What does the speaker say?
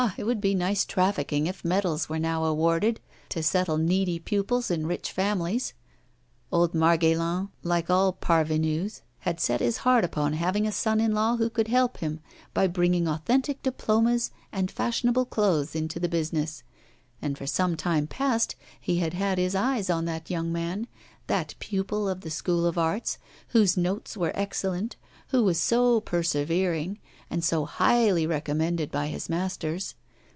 it would be nice trafficking if medals were now awarded to settle needy pupils in rich families! Old Margaillan, like all parvenus, had set his heart upon having a son in law who could help him, by bringing authentic diplomas and fashionable clothes into the business; and for some time past he had had his eyes on that young man, that pupil of the School of Arts, whose notes were excellent, who was so persevering, and so highly recommended by his masters.